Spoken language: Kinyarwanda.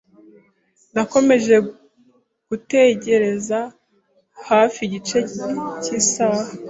Nakomeje gutegereza hafi igice cy'isaha.